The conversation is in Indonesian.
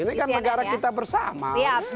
ini kan negara kita bersama